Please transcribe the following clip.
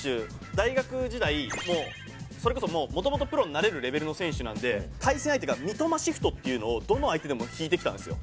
大学時代それこそ元々プロになれるレベルの選手なので対戦相手が三笘シフトっていうのをどの相手でも敷いてきたんですよ。